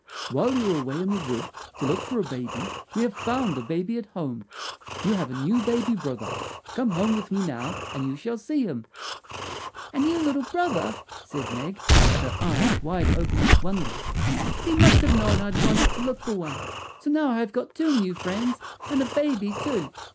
"While you were away in the wood to look for a baby we have found a baby at home. You have a new baby brother. Come home with me now and you shall see him." "A new little brother," said Meg, her eyes wide open with wonder. "He must have known I had gone out to look for one. So now I have got two new friends and a baby too.